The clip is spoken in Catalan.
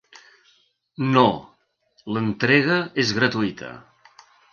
No, l'entrega és gratuïta.